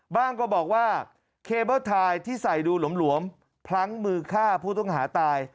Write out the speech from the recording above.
ก็บอกว่าเคเบิ้ลไทยที่ใส่ดูหลวมพลั้งมือฆ่าผู้ต้องหาตาย